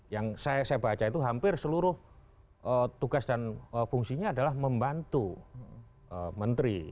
yang saya baca itu hampir seluruh tugas dan fungsinya adalah membantu menteri